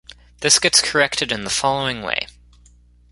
This gets corrected in the following way.